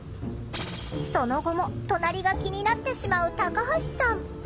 その後も隣が気になってしまうタカハシさん。